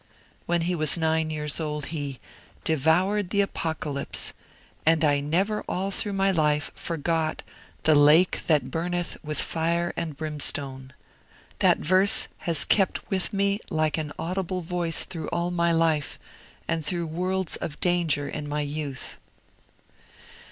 When he was nine years old he 'devoured the Apocalypse; and I never all through my life forgot the "lake that burneth with fire and brimstone". That verse has kept me like an audible voice through all my life, and through worlds of danger in my youth.'